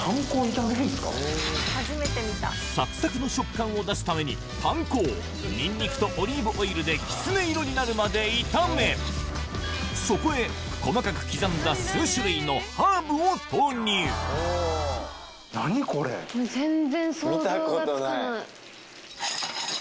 サクサクの食感を出すためにパン粉をニンニクとオリーブオイルできつね色になるまでいためそこへ細かく刻んだ数種類のハーブを投入見たことない。